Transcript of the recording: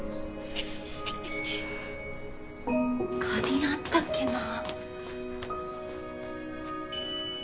花瓶あったっけな。